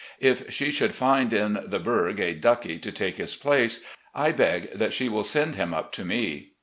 If she should find in the 'Burg' a 'Duckie' to take his place, I beg that she will send him up to me.